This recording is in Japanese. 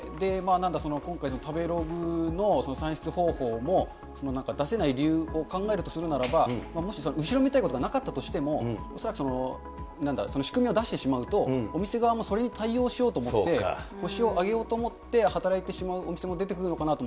なんか今回の食べログの算出方法も、出せない理由を考えるとするならば、もし、後ろめたいことがなかったとしても、恐らくなんだ、その仕組みを出してしまうと、お店側もそれに対応しようと思って、星を上げようと思って働いてしまうお店も出てくるのかなと。